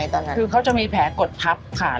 ทำทุกอย่าง